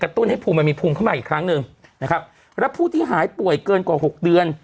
ตุ้นให้ภูมิมันมีภูมิเข้ามาอีกครั้งหนึ่งนะครับแล้วผู้ที่หายป่วยเกินกว่าหกเดือน